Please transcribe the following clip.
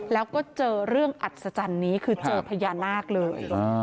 แล้วก็เจอเรื่องอัศจรรย์นี้คือเจอพญานาคเลย